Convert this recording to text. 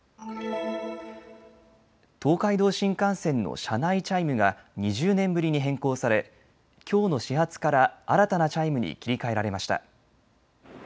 東海道新幹線の車内チャイムが２０年ぶりに変更されきょうの始発から新たなチャイムに切り替えられました。